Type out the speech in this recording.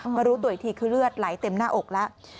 มารู้ตัวอีกทีคือเลือดไหลเต็มหน้าอกแล้ว